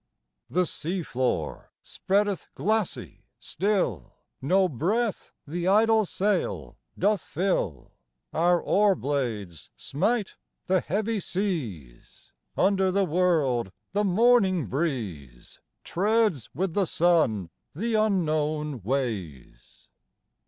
The sea floor spreadeth glassy still; No breath the idle sail doth fill; Our oar blades smite the heavy seas; Under the world the morning breeze Treads with the sun the unknown ways.